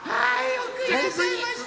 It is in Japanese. よくいらっしゃいました！